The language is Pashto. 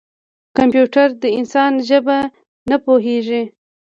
کمپیوټر د انسان ژبه نه پوهېږي.